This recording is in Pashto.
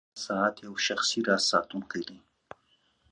• د لاس ساعت یو شخصي راز ساتونکی دی.